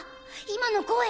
今の声。